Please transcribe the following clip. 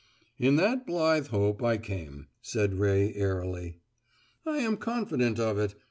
"In that blithe hope I came," said Ray airily. "I am confident of it.